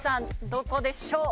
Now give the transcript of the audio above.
どこでしょう？